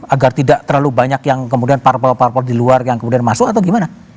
agar tidak terlalu banyak yang kemudian parpol parpol di luar yang kemudian masuk atau gimana